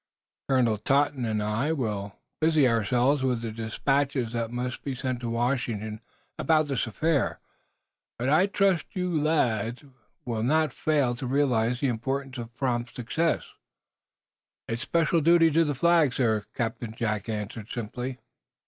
"Colonel Totten and I will busy ourselves with the despatches that must be sent to Washington about this affair. But I trust, lads, you will not fail to realize the importance of prompt success." "It's a special duty to the Flag, sir," Captain Jack answered, simply.